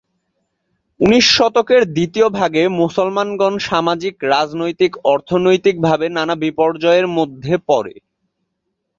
উনিশ শতকের দ্বিতীয় ভাগে মুসলমানগণ সামাজিক, রাজনৈতিক, অর্থনৈতিকভাবে নানা বিপর্যয়ের মধ্যে পড়ে।